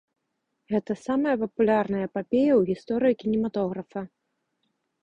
Гэта самая папулярная эпапея ў гісторыі кінематографа.